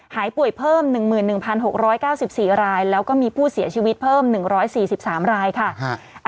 หายป่วยเพิ่ม๑๑๖๙๔รายแล้วก็มีผู้เสียชีวิตเพิ่ม๑๔๓รายค่ะ